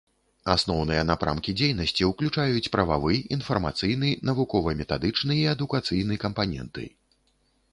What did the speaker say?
Асноўныя напрамкі дзейнасці ўключаюць прававы, інфармацыйны, навукова-метадычны і адукацыйны кампаненты.